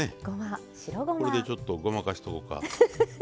これでちょっとごまかしとこか。